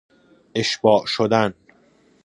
اشباع شدن